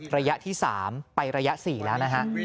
ระยะที่๓ไประยะ๔แล้วนะฮะ